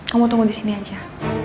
kamu tunggu di sini aja